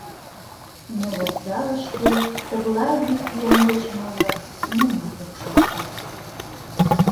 Но вокзалыште тыглай йӱк-йӱан деч моло нимат ок шокто.